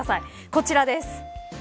こちらです。